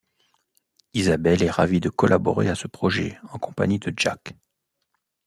Isabel est ravie de collaborer à ce projet en compagnie de Jack.